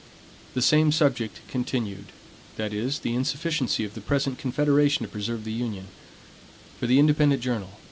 19 The Same Subject Continued (The Insufficiency of the Present Confederation to Preserve the Union) For the Independent Journal.